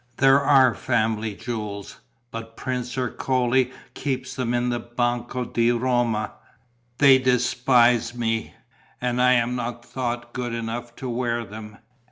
There are family jewels. But Prince Ercole keeps them in the Banco di Roma. They despise me; and I am not thought good enough to wear them.